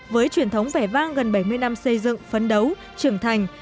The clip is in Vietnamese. với truyền thống vẻ vang gần bảy mươi năm xây dựng phấn đấu trưởng thành